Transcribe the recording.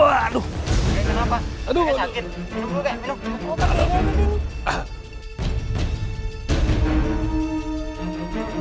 aduh bagaimana equ established kau disini